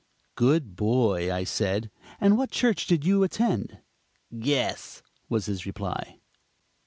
"Good boy," I said, "and what church did you attend?" "Guess," was his reply.